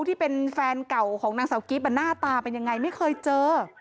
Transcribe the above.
ที่เป็นแฟนเก่าของนางสาวกิฟต์หน้าตาเป็นยังไงไม่เคยเจอ